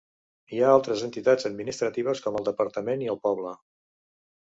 Hi ha altres entitats administratives com el departament i el poble.